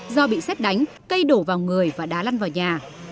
do bị xét đánh cây đổ vào người và đá lăn vào nhà